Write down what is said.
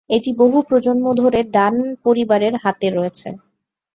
এটি বহু প্রজন্ম ধরে ডান পরিবারের হাতে রয়েছে।